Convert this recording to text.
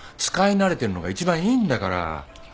使い慣れてるのが一番いいんだから。